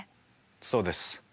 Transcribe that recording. そうです。